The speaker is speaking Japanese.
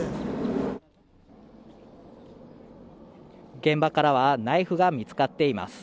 現場からはナイフが見つかっています